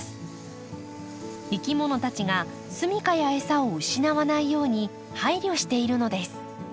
いきものたちが住みかや餌を失わないように配慮しているのです。